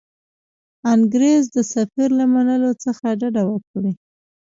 انګرېز د سفیر له منلو څخه ډډه وکړي.